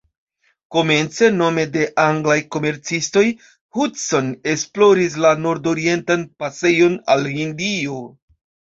Komence, nome de anglaj komercistoj, Hudson esploris la nordorientan pasejon al Hindio.